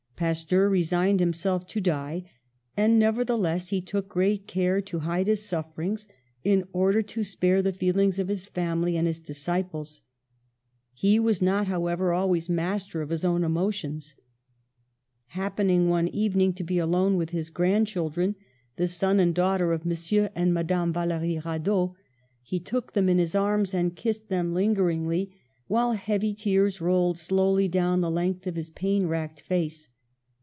Pasteur resigned himself to die, and neverthe less he took great care to hide his sufferings, in order to spare the feelings of his family and his disciples. He was not, however, always master of his own emotions. Happening, one evening, to be alone with his grandchildren, the son and 210 PASTEUR daughter of M. and Mme. Vallery Radot, he took them in his arms and kissed them linger ingly, while heavy tears rolled slowly down the length of his pain racked face.